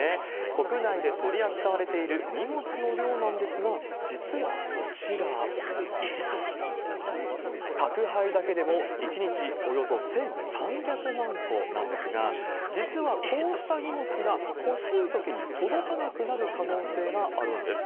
国内で取り扱われている荷物の量なんですが、実はこちら、宅配だけでも１日およそ１３００万個なんですが、実はこうした荷物が、欲しいときに届かなくなる可能性があるんです。